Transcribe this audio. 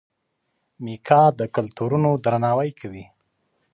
میکا د کلتورونو درناوی کوي.